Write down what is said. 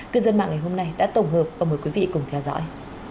cư dân mạng ngày hôm nay đã tổng hợp và mời quý vị cùng theo dõi